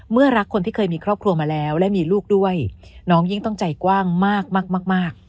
รักคนที่เคยมีครอบครัวมาแล้วและมีลูกด้วยน้องยิ่งต้องใจกว้างมากมาก